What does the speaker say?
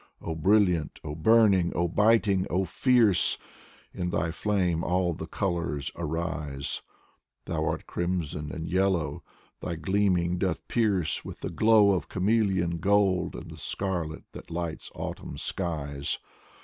O brilliant, O burning, O biting, O fierce. In thy flame all the colors arise. Thou art crimson and yellow, thy gleaming doth pierce With the glow of chameleon gold and the scarlet that lights autumn skies.